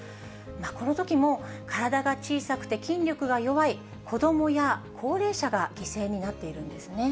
このときも、体が小さくて筋力が弱い子どもや高齢者が犠牲になっているんですね。